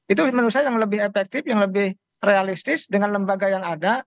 itu menurut saya yang lebih efektif yang lebih realistis dengan lembaga yang ada